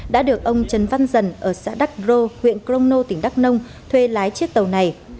đã được ông trần văn dần ở xã đắc rô huyện crono tỉnh đắk nông thuê lái chiếc tàu này